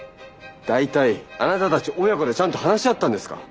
大体あなたたち親子でちゃんと話し合ったんですか？